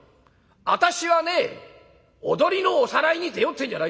私はね踊りのおさらいに出ようってんじゃないよ。